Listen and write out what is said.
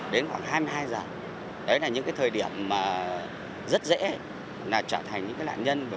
đến khoảng hai mươi hai h đấy là những cái thời điểm mà rất dễ là trở thành những nạn nhân